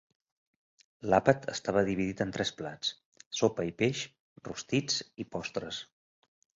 L'àpat estava dividit en tres plats: sopa i peix, rostits i postres.